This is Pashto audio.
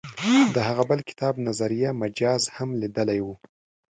د هغه بل کتاب نظریه مجاز هم لیدلی و.